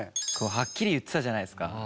はっきり言ってたじゃないですか。